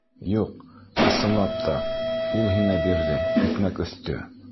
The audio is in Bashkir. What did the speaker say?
— Юҡ, ысынлап та, ул һиңә бирҙе, икмәк өҫтө.